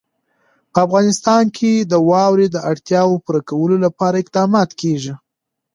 په افغانستان کې د واوره د اړتیاوو پوره کولو لپاره اقدامات کېږي.